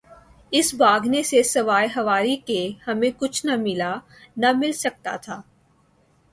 اس بھاگنے سے سوائے خواری کے ہمیں کچھ نہ ملا... نہ مل سکتاتھا۔